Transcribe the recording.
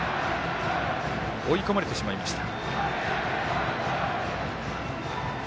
追い込まれてしまいました。